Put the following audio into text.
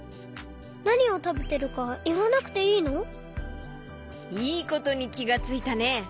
なにをたべてるかいわなくていいの？いいことにきがついたね！